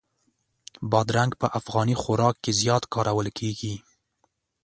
بادرنګ په افغاني خوراک کې زیات کارول کېږي.